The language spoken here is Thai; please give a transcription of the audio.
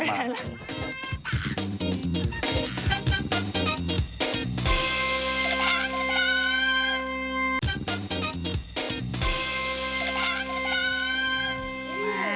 โอเคเดี๋ยวกลับมา